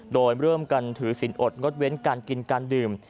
โดยร่วมกันถือสินอดงดเว้นการกินการดื่ม